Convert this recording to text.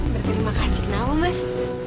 berterima kasih kenapa mas